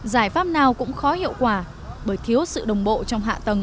giải pháp nào cũng khó hiệu quả bởi thiếu sự đồng bộ trong hạ tầng